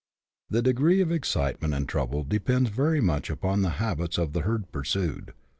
The degree of excitement and trouble depends very much upon the habits of the herd pursued.